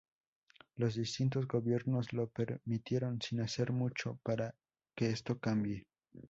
Los distintos gobiernos lo permitieron sin hacer mucho para que esto cambie.